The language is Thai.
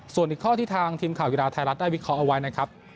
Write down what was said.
ส่วนอีกข้อที่ทางทีมข่าวกีฬาไทยรัฐได้วิเคราะห์เอาไว้นะครับ